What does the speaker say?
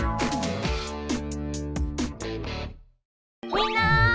みんな！